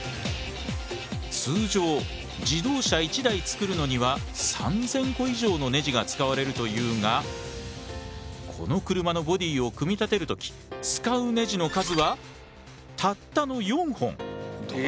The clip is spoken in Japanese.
通常自動車１台作るのには３，０００個以上のねじが使われるというがこの車のボディーを組み立てる時使うねじの数はたったの４本。え。